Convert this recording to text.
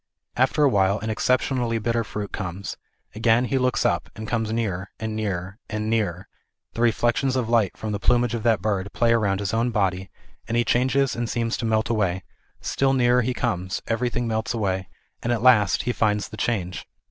After a while an exceptionally bitter fruit comes ; again he looks up, and comes nearer, and nearer, and nearer ; the reflections of light from the plumage of that bird play around his own body, and he changes and seems to melt away ; still nearer he comes everything melts away, and at last he finds the change.